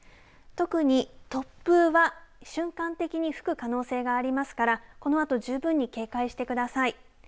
特に突風は瞬間的に吹く可能性がありますからこのあと十分に警戒してください。